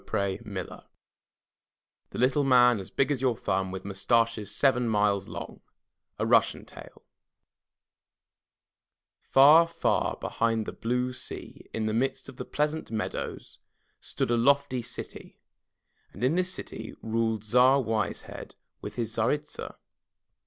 25 MY BOOK HOUSE THE LITTLE MAN AS BIG AS YOUR THUMB WITH MUSTACHES SEVEN MILES LONG A Russian Tale AR, far behind the blue sea, in the midst of the pleasant meadows, stood a lofty city, and in this city ruled Tsar Wise Head with his Tsaritsa.